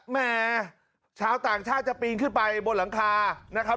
แห่ชาวต่างชาติจะปีนขึ้นไปบนหลังคานะครับ